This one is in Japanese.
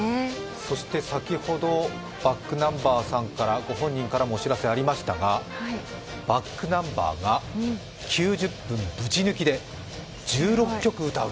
そして先ほどｂａｃｋｎｕｍｂｅｒさんご本人からもお知らせありましたがｂａｃｋｎｕｍｂｅｒが９０分ぶち抜きで１６曲歌う。